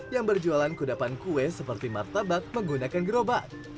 yang berjualan kudapan kue seperti martabak menggunakan gerobak